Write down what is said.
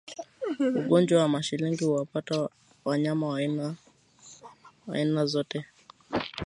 Ugonjwa wa mashilingi huwapata wanyama wa aina zote